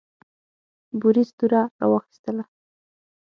بوریس توره راواخیستله.